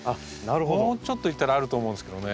もうちょっと行ったらあると思うんですけどね。